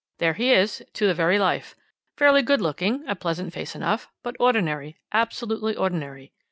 "There he is, to the very life. Fairly good looking, a pleasant face enough, but ordinary, absolutely ordinary.